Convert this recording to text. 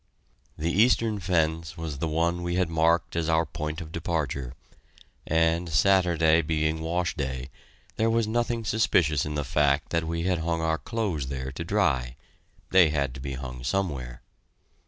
The eastern fence was the one we had marked as our point of departure, and, Saturday being wash day, there was nothing suspicious in the fact that we had hung our clothes there to dry. They had to be hung somewhere.